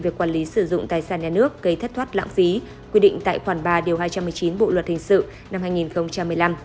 về quản lý sử dụng tài sản nhà nước gây thất thoát lãng phí quy định tại khoản ba điều hai trăm một mươi chín bộ luật hình sự năm hai nghìn một mươi năm